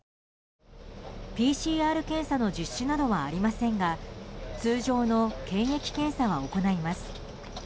ＰＣＲ検査の実施などはありませんが通常の検疫検査は行います。